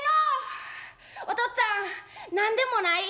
おとっつぁん何でもない」。